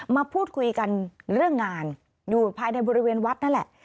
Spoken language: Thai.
มาพูดคุยกันเรื่องงานอยู่ภายในบริเวณวัดนั่นแหละ